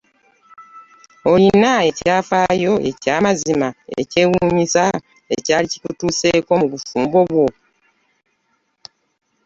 Olina ekyafaayo eky’amazima ekyewuunyisa ekyali kikutuuseeko mu bufumbo bwo?